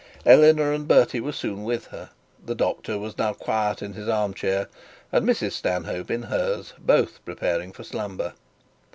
Eleanor and Bertie were soon with her. The doctor was now quiet in his arm chair, and Mrs Stanhope in hers, both prepared for slumber.